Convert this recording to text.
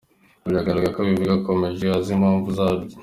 Bigaragara ko abivuga akomeje azi impamvu zabyo.